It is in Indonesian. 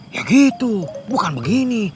ya gitu bukan begini